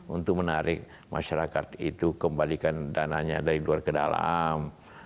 untuk menarik masyarakat itu kembalikan dananya dari luar ke dalam